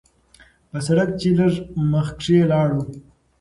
پۀ سړک چې لږ مخکښې لاړو